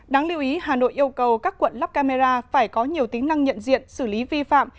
đáng lưu ý hà nội yêu cầu các quận lắp camera phải có nhiều tính năng nhận diện xử lý vi phạm